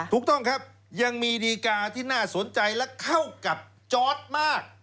ถูกต้องครับยังมีดีการ์ที่น่าสนใจและเข้ากับจอร์ดมาก